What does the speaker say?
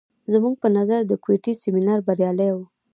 زموږ په نظر د کوټې سیمینار بریالی و.